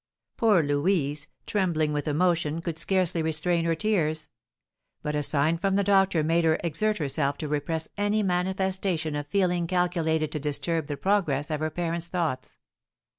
Poor Louise, trembling with emotion, could scarcely restrain her tears; but a sign from the doctor made her exert herself to repress any manifestation of feeling calculated to disturb the progress of her parent's thoughts.